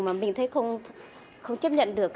mà mình thấy không chấp nhận được